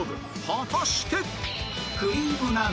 果たして